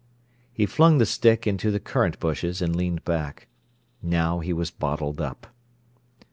He flung the stick into the currant bushes, and leaned back. Now he was bottled up.